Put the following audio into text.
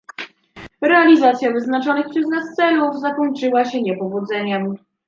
realizacja wyznaczonych przez nas celów zakończyła się niepowodzeniem